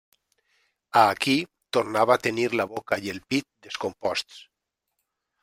A aquí tornava a tenir la boca i el pit descomposts.